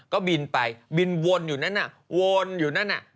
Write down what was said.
ก็บินไปบินวนอยู่นั่นน่ะ